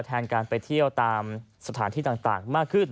แทนการไปเที่ยวตามสถานที่ต่างมากขึ้น